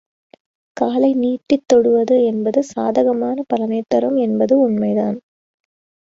காலை நீட்டித் தொடுவது என்பது சாதகமான பலனைத் தரும் என்பது உண்மைதான்.